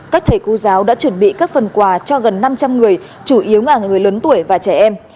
các thầy cô giáo đã chuẩn bị các phần quà cho gần năm trăm linh người chủ yếu là người lớn tuổi và trẻ em